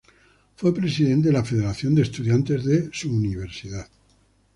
Fue presidente de la Federación de Estudiantes de su universidad.